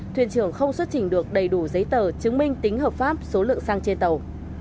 thuyền trưởng không xuất trình được đầy đủ giấy tờ chứng minh tính hợp pháp số lượng xăng trên tàu